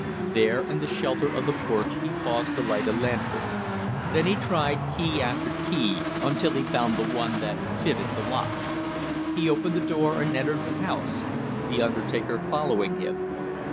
There in the shelter of the porch he paused to light a lantern, then he tried key after key until he found the one that fitted the lock; he opened the door and entered the house, the undertaker following him.